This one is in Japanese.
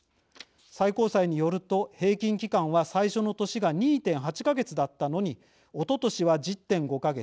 最高裁によると平均期間は最初の年が２．８か月だったのにおととしは１０．５か月。